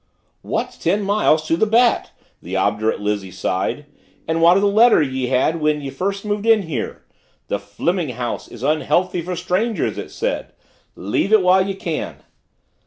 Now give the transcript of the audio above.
"What's ten miles to the Bat?" the obdurate Lizzie sighed. "And what of the letter ye had when ye first moved in here? 'The Fleming house is unhealthy for strangers,' it said. Leave it while ye can."